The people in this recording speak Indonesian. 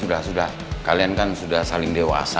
sudah sudah kalian kan sudah saling dewasa